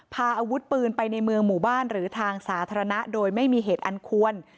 พาอาวุธปืนไปในเมืองหมู่บ้านหรือทางสาธารณะโดยไม่มีเหตุอันควร